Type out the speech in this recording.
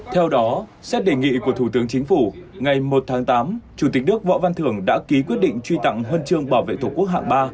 theo đó xét đề nghị của thủ tướng chính phủ ngày một tháng tám chủ tịch nước võ văn thưởng đã ký quyết định truy tặng huân chương bảo vệ tổ quốc hạng ba